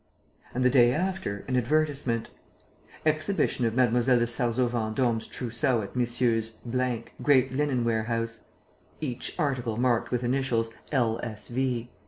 And, the day after, an advertisement. "Exhibition of Mlle. de Sarzeau Vendôme's trousseau at Messrs. 's Great Linen Warehouse. Each article marked with initials L. S. V."